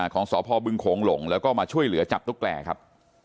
ของสพบึงโขงหลงแล้วก็มาช่วยเหลือจับตุ๊กแกครับ